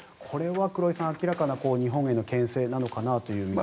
これは黒井さん、明らかな日本へのけん制なのかなという。